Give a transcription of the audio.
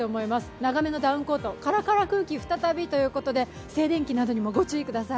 長めのダウンコート、カラカラ空気再びということで静電気などにもご注意ください。